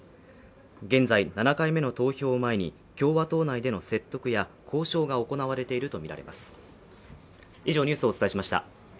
現在、７回目の投票を前に共和党内での説得や交渉が行われているとみられます。